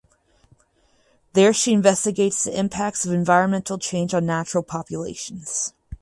There she investigates the impacts of environmental change on natural populations.